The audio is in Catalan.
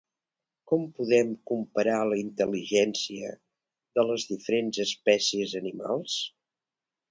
Com podem comparar la intel·ligència de les diferents espècies animals?